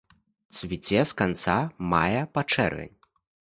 Цвіце з канца мая па чэрвень.